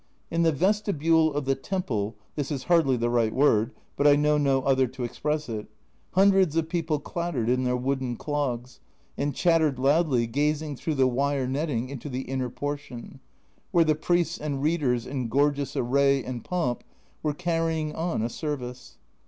In the vestibule of the temple (this is hardly the right word, but I know no other to express it) hundreds of people clattered in their wooden clogs, and chattered loudly, gazing through the wire netting into the inner portion, where the priests and readers in gorgeous array and pomp were carrying on a service.